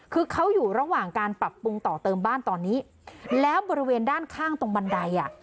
คือเขาอยู่ระหว่างการปรับปรุงต่อเติมบ้านตอนนี้แล้วบริเวณด้านข้างตรงบันไดอ่ะ